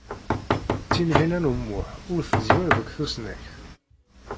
Tinhinan u Muḥ ur teẓwir deg tusnakt.